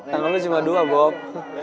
tangan lu cuma dua bob